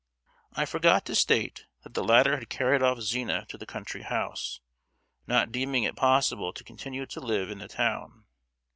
I forgot to state that the latter had carried off Zina to the country house, not deeming it possible to continue to live in the town.